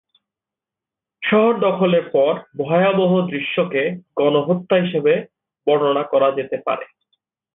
শহর দখলের পর ভয়াবহ দৃশ্যকে গণহত্যা হিসেবে বর্ণনা করা যেতে পারে।